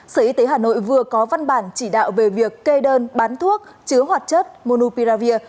sở y tế hà nội vừa có văn bản chỉ đạo về việc kê đơn bán thuốc chứa hoạt chất monupiravir